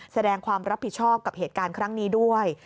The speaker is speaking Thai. แสดงความรับผิดชอบกับเหตุการณ์ครั้งนี้ด้วย